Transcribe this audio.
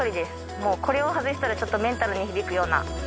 もうこれを外したらちょっとメンタルに響くような。